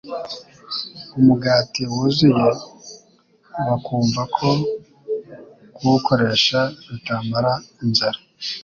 umugati wuzuye, bakumva ko kuwukoresha bitabamara inzara.